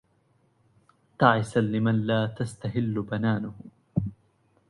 تعسا لمن لا تستهل بنانه